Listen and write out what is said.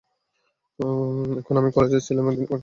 এবং যখন আমি কলেজে ছিলাম, তিনি আমেরিকা চলে গেছে।